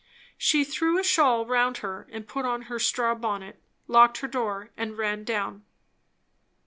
She threw a shawl round her, put on her straw bonnet, locked her door, and ran down.